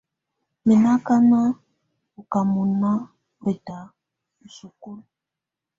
Mɛ̀ nɔ̀ akana ɔ ká mɔ̀nà ɛtà ù sukulu.